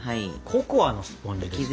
ココアのスポンジですね。